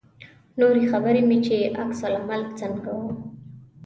نورې خبرې مې چې عکس العمل څنګه و.